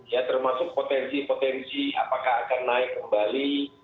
ya termasuk potensi potensi apakah akan naik kembali